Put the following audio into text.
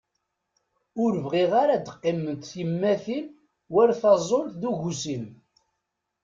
Ur bɣiɣ ara ad qqiment tyemmatin war taẓult d ugusim.